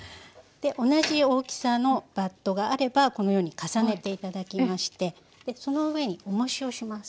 で同じ大きさのバットがあればこのように重ねて頂きましてその上におもしをします。